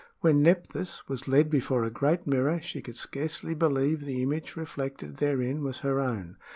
When Nephthys was led before a great mirror, she could scarcely believe the image reflected therein was her own.